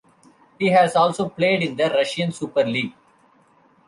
He has also played in the Russian Super League.